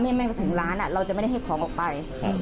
ไม่ถึงร้านเราจะไม่ได้ให้ของออกไป